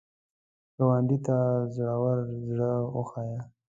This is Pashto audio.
ګاونډي ته زړور زړه وښیه